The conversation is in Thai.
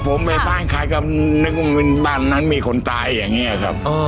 ผมไปบ้านใครก็นึกว่าบ้านนั้นมีคนตายอย่างนี้ครับ